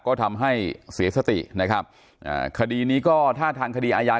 ก็ทำให้เสียสตินะครับอ่าคดีนี้ก็ถ้าทางคดีอาญา